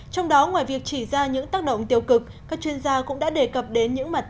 trong đó ngoài việc chỉ ra những tác động tiêu cực các chuyên gia cũng đã đề cập đến những mặt